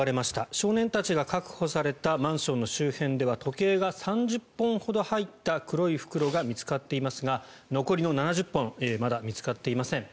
少年たちが確保されたマンションの周辺では時計が３０本ほど入った黒い袋が見つかっていますが残りの７０本まだ見つかっていません。